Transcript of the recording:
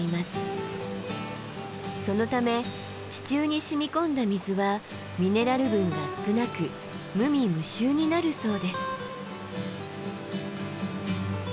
そのため地中にしみ込んだ水はミネラル分が少なく無味無臭になるそうです。